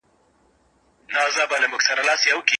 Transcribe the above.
سعید په ډېرې خندا سره خپل ملګري ته کیسه کوله.